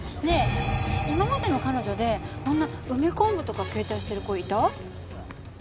ねえ今までの彼女でこんな梅昆布とか携帯してる子いた？